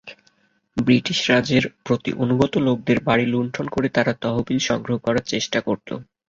British রাজের প্রতি অনুগত লোকদের বাড়ি লুণ্ঠন করে তারা তহবিল সংগ্রহ করার চেষ্টা করত।